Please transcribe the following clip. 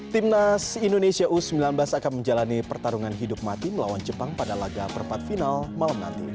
timnas indonesia u sembilan belas akan menjalani pertarungan hidup mati melawan jepang pada laga perempat final malam nanti